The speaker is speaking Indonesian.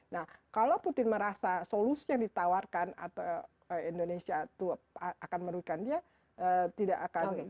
nah kalau putin merasa solusi yang ditawarkan atau indonesia itu akan merugikan dia tidak akan